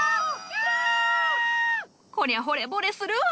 こりゃほれぼれするわ。